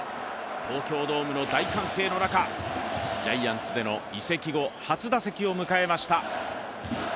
東京ドームの大歓声の中ジャイアンツでの移籍後初打席を迎えました